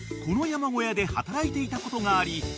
この山小屋で働いていたことがあり